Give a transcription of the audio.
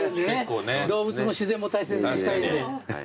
動物も自然も大切にしたいんで。